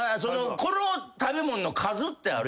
この食べ物の数ってあるよな。